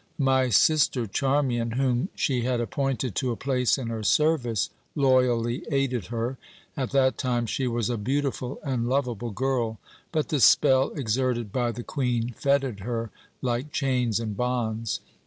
My sister, Charmian, whom she had appointed to a place in her service, loyally aided her. At that time she was a beautiful and lovable girl, but the spell exerted by the Queen fettered her like chains and bonds.